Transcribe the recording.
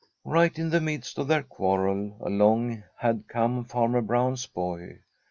Right in the midst of their quarrel along had come Farmer Brown's boy.